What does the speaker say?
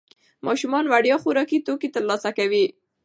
ماشومان وړیا خوراکي توکي ترلاسه کوي.